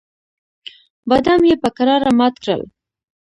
بادام یې په کراره مات کړل.